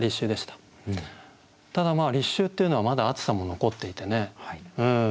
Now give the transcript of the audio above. ただ立秋っていうのはまだ暑さも残っていてね